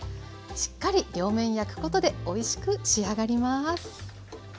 しっかり両面焼くことでおいしく仕上がります。